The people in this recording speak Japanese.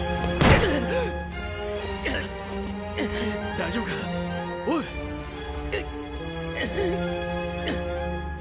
大丈夫かおい⁉うっうぅっ！